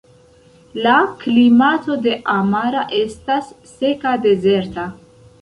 La klimato de Amara estas seka dezerta.